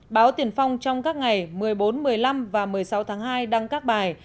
báo tiền phong trong các ngày một mươi bốn một mươi năm và một mươi sáu tháng hai đăng các bài